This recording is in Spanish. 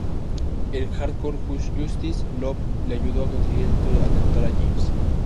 En "Hardcore Justice", Love la ayudó a conseguir el título al derrotar a James.